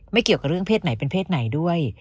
เกี่ยวกับเรื่องเพศไหนเป็นเพศไหนด้วย